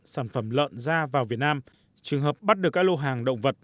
sản phẩm lợn ra vào việt nam trường hợp bắt được các lô hàng động vật